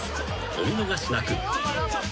お見逃しなく］